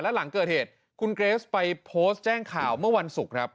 หลังเกิดเหตุคุณเกรสไปโพสต์แจ้งข่าวเมื่อวันศุกร์ครับ